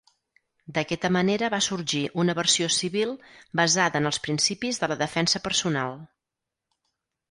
D'aquesta manera va sorgir una versió civil basada en els principis de la defensa personal.